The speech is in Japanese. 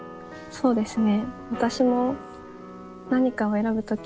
そうですね。